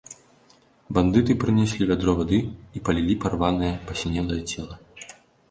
Бандыты прынеслі вядро вады і палілі парванае, пасінелае цела.